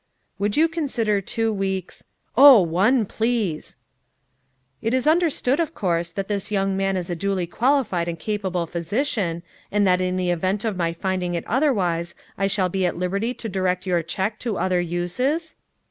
"Would you consider two weeks ?" "Oh, one, please!" "It is understood, of course, that this young man is a duly qualified and capable physician, and that in the event of my finding it otherwise I shall be at liberty to direct your check to other uses?"